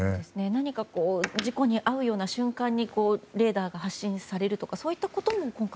何か事故に遭うような瞬間にレーダーが発信されるとかそういったことも今回。